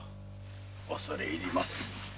恐れ入ります。